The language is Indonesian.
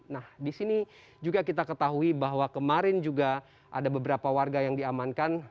nah di sini juga kita ketahui bahwa kemarin juga ada beberapa warga yang diamankan